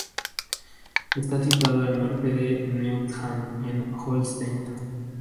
Está situado al norte de Neustadt en Holstein.